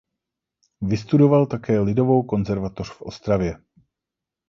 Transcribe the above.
Vystudoval také lidovou konzervatoř v Ostravě.